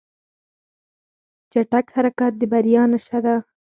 چټک حرکت د بریا نښه ده.